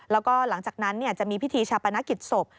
แล้วก็หลังจากนั้นจะมีพิธีชาปนกิจศพ